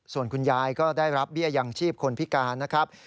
ส่วนคุณยายก็ได้รับเบี้ยยังชีพคนพิการนะครับ